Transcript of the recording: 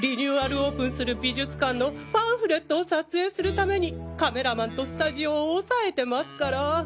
オープンする美術館のパンフレットを撮影するためにカメラマンとスタジオを押さえてますから。